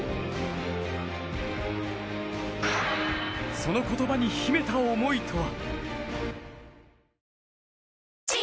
その言葉に秘めた思いとは。